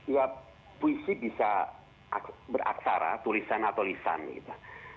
ya puisi bisa beraksara tulisan atau lisan gitu